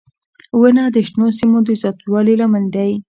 • ونه د شنو سیمو د زیاتوالي لامل دی.